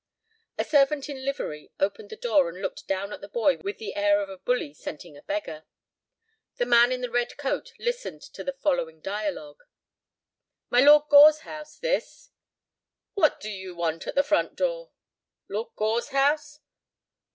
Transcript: A servant in livery opened the door and looked down at the boy with the air of a bully scenting a beggar. The man in the red coat listened to the following dialogue: "My Lord Gore's house, this?" "What d'you want at the front door?" "Lord Gore's house?"